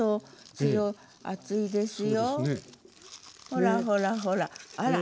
ほらほらほら。